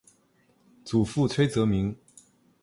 祖父崔则明。